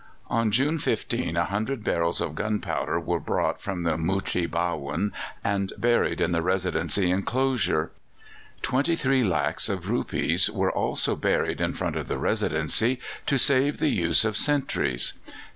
On June 15 a hundred barrels of gunpowder were brought from the Muchee Bhawun and buried in the Residency enclosure; twenty three lacs of rupees were also buried in front of the Residency to save the use of sentries.